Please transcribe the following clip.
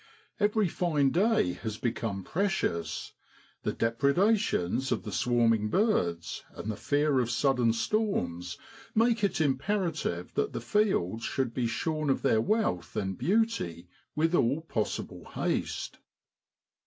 Every fine day has become precious, the depredations of the swarming birds and the fear of sudden storms make it imperative that the fields should be shorn of their wealth and beauty with all possible haste.